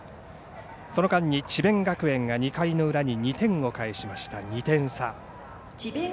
その間に智弁学園が２回の裏に２点を返しました、２点差。